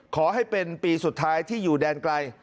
ขอให้เป็นปีสุดท้ายที่อยู่แดนไกล